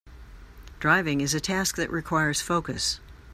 Driving is a task that requires focus.